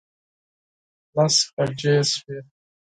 لس بجې شوې.